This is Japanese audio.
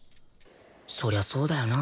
そりゃそうだよな